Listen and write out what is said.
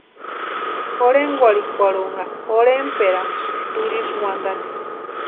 Jorhenkwarhikwarhunha jorhentpʼeranhasïni turhisï wantani.